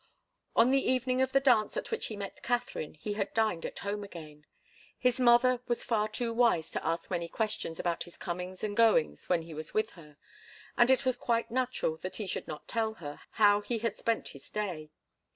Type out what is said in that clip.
On the evening of the dance at which he met Katharine he had dined at home again. His mother was far too wise to ask many questions about his comings and goings when he was with her, and it was quite natural that he should not tell her how he had spent his day.